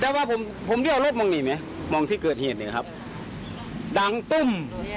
ใส่แก่นึงเรียนศาสาเขาสิโค้งออกรถมั้ยนี่ไหม